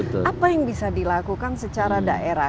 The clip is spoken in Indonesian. apa yang bisa dilakukan secara daerah